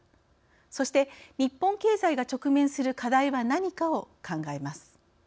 そして日本経済が直面する課題は何かを考えます。